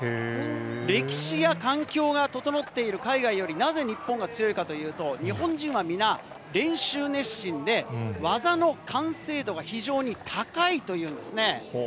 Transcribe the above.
歴史や環境が整っている海外よりなぜ日本が強いかというと、日本人は皆、練習熱心で、技の完成度が非常に高いというんですね。